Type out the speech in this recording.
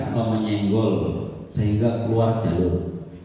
itu menyerempet atau menyenggol sehingga keluar jalur